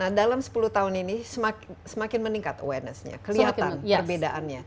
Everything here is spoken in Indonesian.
nah dalam sepuluh tahun ini semakin meningkat awarenessnya kelihatan perbedaannya